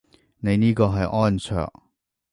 你呢個係安卓